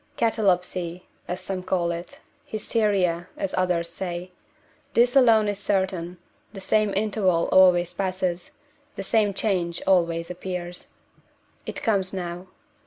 "Catalepsy," as some call it "hysteria," as others say this alone is certain, the same interval always passes; the same change always appears. It comes now.